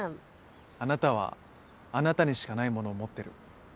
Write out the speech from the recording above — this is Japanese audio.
あなたはあなたにしかないものを持ってる。